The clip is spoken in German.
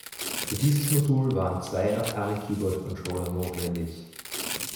Für dieses Modul waren zwei Atari Keyboard Controller notwendig.